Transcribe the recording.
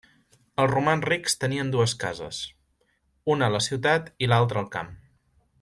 Els romans rics tenien dues cases, una a la ciutat i l'altra al camp.